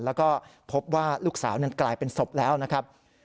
แล้วก็พบว่าลูกสาวนั้นกลายเป็นศพแล้วนะครับ